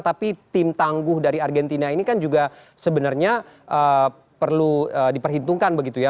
tapi tim tangguh dari argentina ini kan juga sebenarnya perlu diperhitungkan begitu ya